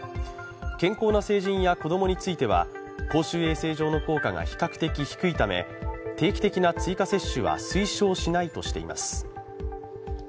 健康な成人や子供については公衆衛生上の効果が比較的低いため定期的な追加接種は推奨しないとしています。